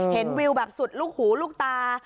วิวแบบสุดลูกหูลูกตา